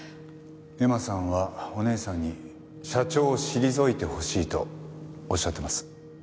恵麻さんはお姉さんに社長を退いてほしいとおっしゃってます。